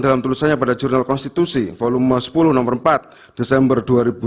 dalam tulisannya pada jurnal konstitusi volume sepuluh nomor empat desember dua ribu dua puluh